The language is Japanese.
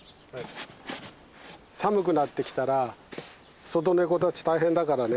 寒くなってきたら外猫たち大変だからね